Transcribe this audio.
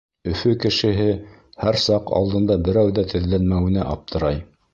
Өфө кешеһе һәр саҡ алдында берәү ҙә теҙләнмәүенә аптырай.